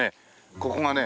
ここがね